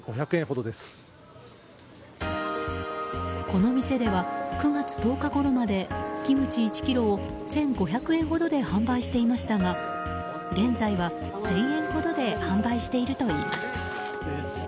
この店では９月１０日ごろまでキムチ１ｋｇを１５００円ほどで販売していましたが現在は、１０００円ほどで販売しているといいます。